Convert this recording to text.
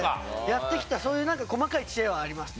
やってきたそういう細かい知恵はあります。